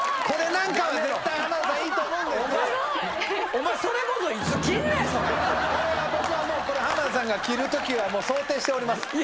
これは僕はもう浜田さんが着るときは想定しております。